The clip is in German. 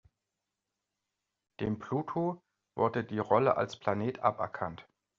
Dem Pluto wurde die Rolle als Planet aberkannt.